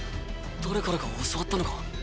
誰からか教わったのか？